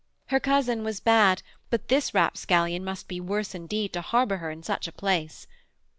Her cousin was bad, but this rapscallion must be worse indeed to harbour her in such a place....